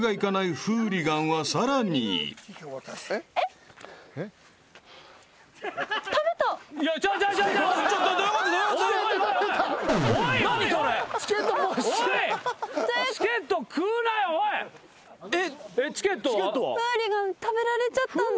フーリガンに食べられちゃったんで。